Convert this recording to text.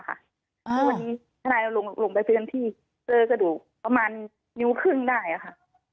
วันนี้นายลงไปเตือนที่เจอกระดูกประมาณนิ้วครึ่งได้ค่ะ